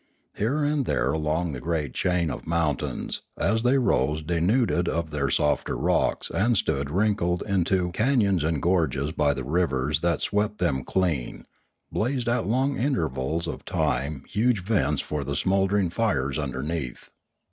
Here and there along the great chain of mountains, as they rose denuded of their softer rocks and stood wrinkled into cafions and gorges by the rivers that swept them clean, blazed at long intervals of time huge 634 Limanora vents for the smouldering fires underneath.